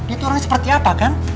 itu orangnya seperti apa kan